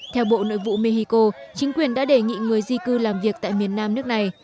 theo bộ nội vụ mexico chính quyền đã đề nghị người di cư làm việc tại miền nam nước này